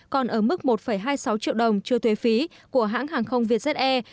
còn ở mức một hai mươi sáu triệu đồng chưa thuê phí của hãng hàng không vietjet air